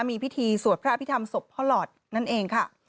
มีพิธีสวดพระอภิษฐรรมศพพ่อหลอดนั่นเองค่ะ